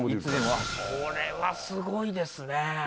これはすごいですね。